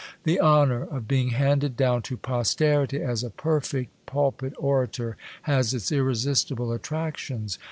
The honour of being handed down to posterity as a perfect pulpit orator has its irresistible attractions.